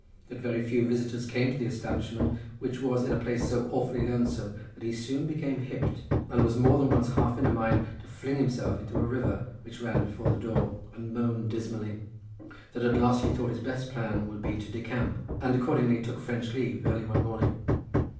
That very few visitors came to the establishment, which was in a place so awfully lonesome that he soon became hipped and was more than once half in a mind to fling himself into a river which ran before the door and moaned dismally. That at last he thought his best plan would be to decamp, and accordingly took French leave early one morning.